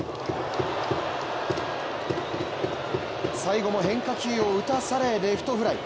最後も変化球を打たされレフトフライ。